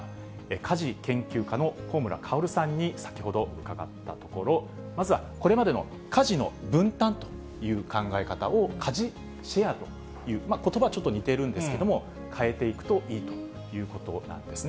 家事研究家の香村薫さんに先ほど伺ったところ、まずはこれまでの家事の分担という考え方を家事シェアという、ことばはちょっと似てるんですけれども、変えていくといいということなんですね。